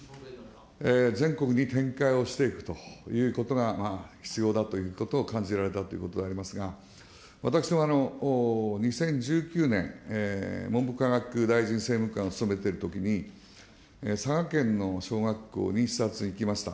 全国に展開をしていくということが必要だということを感じられたということでありますが、私も２０１９年、文部科学大臣政務官を務めているときに、佐賀県の小学校に視察に行きました。